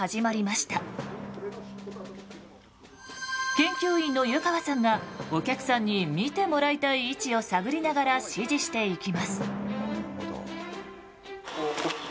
研究員の湯川さんがお客さんに見てもらいたい位置を探りながら指示していきます。